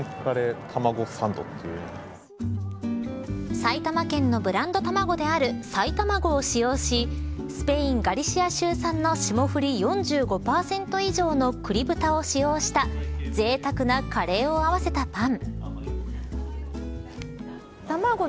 埼玉県のブランド卵である彩たまごを使用しスペイン、ガリシア州産の霜降り４５％以上の栗豚を使用した、ぜいたくなカレーを合わせたパン。